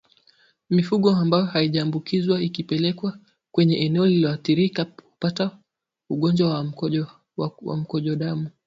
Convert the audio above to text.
Mifugo ambayo haijaambukizwa ikipelekwa kwenye eneo lilioathirika hupata ugonjwa wa mkojo damu